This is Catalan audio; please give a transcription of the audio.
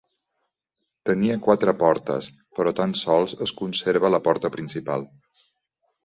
Tenia quatre portes, però tan sols es conserva la porta principal.